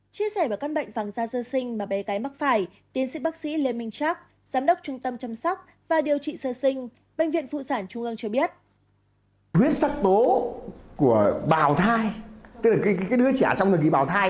chia sẻ về các bệnh vàng da sơ sinh mà bé gái mắc phải tiến sĩ bác sĩ lê minh trắc giám đốc trung tâm chăm sóc và điều trị sơ sinh